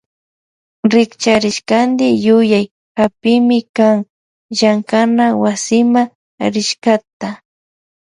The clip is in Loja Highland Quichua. Rikcharishkanti yuyay hapimi kan llankana wasima rishkata.